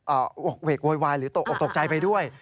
ออกเวกโวยวายหรือตกใจไปด้วย